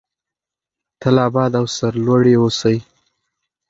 تل اباد او سرلوړي اوسئ.